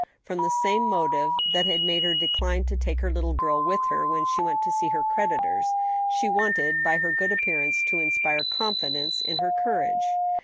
From the same motive that had made her decline to take her little girl with her when she went to see her creditors, she wanted, by her good appearance, to inspire confidence in her courage.